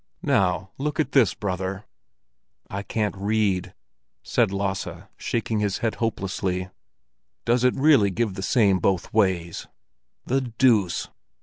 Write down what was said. "Now, look at this, brother!" "I can't read," said Lasse, shaking his head hopelessly. "Does it really give the same both ways? The deuce!